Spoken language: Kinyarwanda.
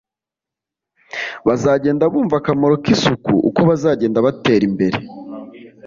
bazagenda bumva akamaro k’isuku uko bazagenda batera imbere